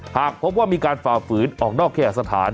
หากพบว่ามีการฝ่าฝืนออกนอกแคสถาน